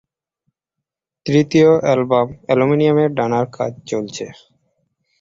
তৃতীয় অ্যালবাম "অ্যালুমিনিয়ামের ডানা"র কাজ চলছে।